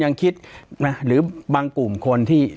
ปากกับภาคภูมิ